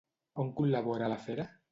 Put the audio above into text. On col·labora la fera?